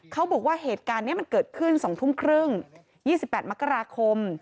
เขาบอกว่าเหตุการณ์นี้มันเกิดขึ้น๒ทุ่มครึ่ง๒๘มกราคม